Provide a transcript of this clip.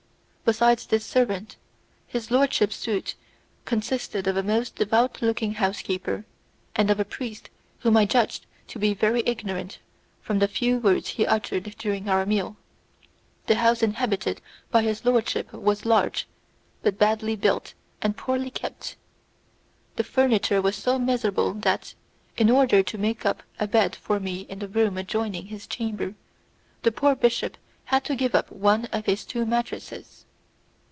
Besides this servant, his lordship's suite consisted of a most devout looking housekeeper, and of a priest whom I judged to be very ignorant from the few words he uttered during our meal. The house inhabited by his lordship was large, but badly built and poorly kept. The furniture was so miserable that, in order to make up a bed for me in the room adjoining his chamber, the poor bishop had to give up one of his two mattresses!